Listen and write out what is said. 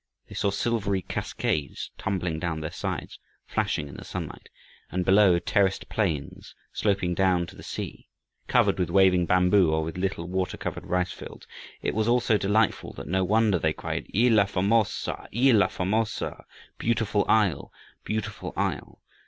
They saw silvery cascades tumbling down their sides, flashing in the sunlight, and, below, terraced plains sloping down to the sea, covered with waving bamboo or with little water covered rice fields. It was all so delightful that no wonder they cried, "Illha Formosa! Illha Formosa!" "Beautiful Isle! Beautiful Isle."